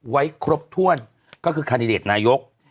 ไว้ครบถ้วนก็คือคันดิเดตนายก